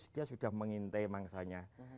dia sudah mengintai mangsanya